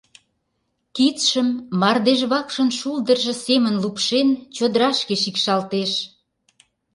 Кидшым мардежвакшын шулдыржо семын лупшен, чодырашке шикшалтеш.